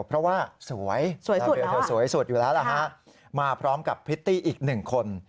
เพราะว่าสวยลาเบลเธอสวยสุดอยู่แล้วล่ะฮะมาพร้อมกับพริตตี้อีกหนึ่งคน